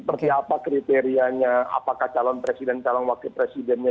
jadi apa kriterianya apakah calon presiden calon wakil presidennya